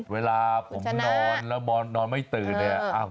เวลาผมนอนแล้วนอนไม่ตื่นเนี่ย